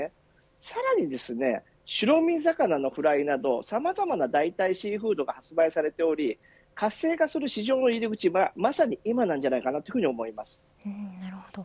さらに白身魚のフライなどさまざまな代替シーフードが発売されており活性化する市場の入り口はまさに今なんじゃないかなるほど。